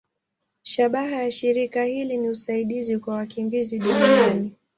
Shabaha ya shirika hili ni usaidizi kwa wakimbizi duniani.